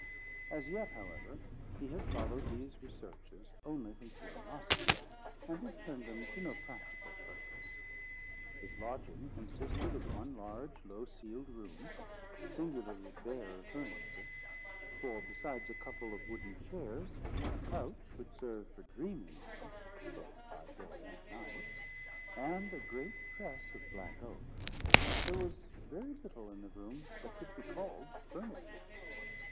As yet, however, he had followed these researches only from curiosity, and had turned them to no practical purpose. His lodging consisted of one large low ceiled room, singularly bare of furniture; for besides a couple of wooden chairs, a couch which served for dreaming on both by day and night, and a great press of black oak, there was very little in the room that could be called furniture.